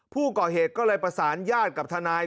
ผู้ก่อเหตุก็เลยประสานญาติกับทนาย